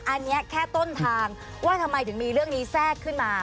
อันนี้แค่ต้นทางว่าทำไมถึงมีเรื่องนี้แทรกขึ้นมา